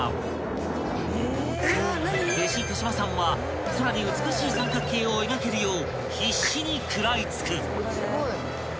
［弟子手島さんは空に美しい三角形を描けるよう必死に食らいつく］